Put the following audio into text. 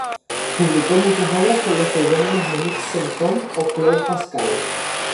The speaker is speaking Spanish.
Publicó muchas obras con los pseudónimos "Monique Saint-Come" o "Claude Pascal".